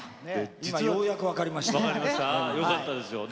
ようやく分かりました。